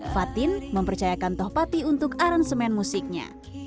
fatin mempercayakan tohpati untuk aransemen musiknya